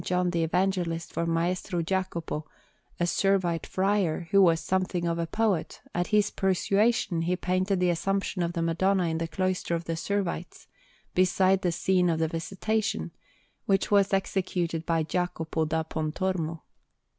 John the Evangelist for Maestro Jacopo, a Servite friar, who was something of a poet, at his persuasion he painted the Assumption of the Madonna in the cloister of the Servites, beside the scene of the Visitation, which was executed by Jacopo da Pontormo.